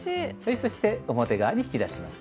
そして表側に引き出します。